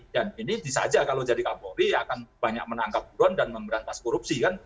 dan ini bisa aja kalau jadi kapolri akan banyak menangkap buruan dan memberantas korupsi kan